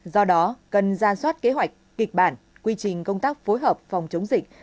do đó cần ra soát kế hoạch kịch bản quy trình công tác phối hợp phòng chống dịch